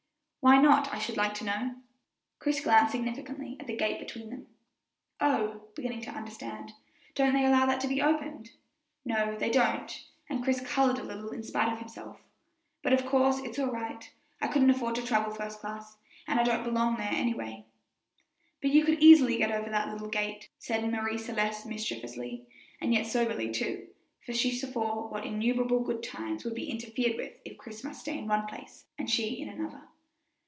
"Why not, I should like to know?" Chris glanced significantly at the gate between them. "Oh!" beginning to understand; "don't they allow that to be opened?" "No, they don't," and Chris colored up a little in spite of himself; "but of course it's all right. I couldn't afford to travel first class, and I don't belong there anyway." "But you could easily get over that little gate," said Marie Celeste mischievously, and yet soberly too, for she foresaw what innumerable good times would be interfered with if Chris must stay in one place and she in another.